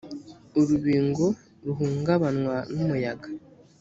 urubingo ruhungabanywa n umuyaga